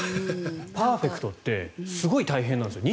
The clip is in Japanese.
パーフェクトってすごい大変なんですよ。